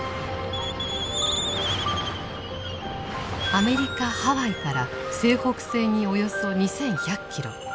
アメリカ・ハワイから西北西におよそ２１００キロ。